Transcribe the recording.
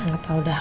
gak tau dah